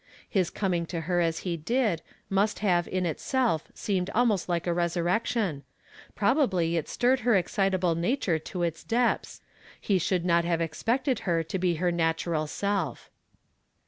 His coming to her as he did must have in itself seemed almost like a resurrection; probably it stirred her excitable nature to its depths; he should not have expected her to be her natural self.